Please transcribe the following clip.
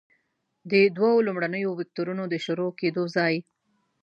د دوو لومړنیو وکتورونو د شروع کیدو ځای.